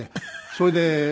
それで。